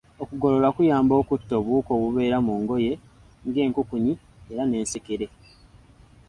Okugolola kuyamba okutta obuwuka obubeera mu ngoye ng'enkukunyi era n'ensekere